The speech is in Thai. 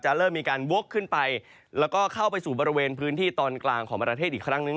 เริ่มมีการวกขึ้นไปแล้วก็เข้าไปสู่บริเวณพื้นที่ตอนกลางของประเทศอีกครั้งนึง